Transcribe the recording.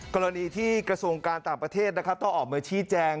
กรณีที่กระทรวงการต่างประเทศต้อออกเมืองชี้แจง